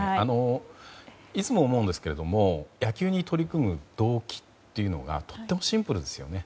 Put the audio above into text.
いつも思うんですけど野球に取り組む動機というのがとてもシンプルですよね。